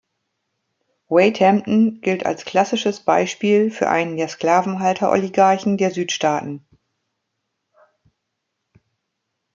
Wade Hampton gilt als klassisches Beispiel für einen der Sklavenhalter-Oligarchen der Südstaaten.